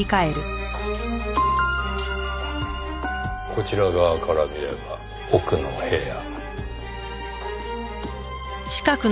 こちら側から見れば奥の部屋。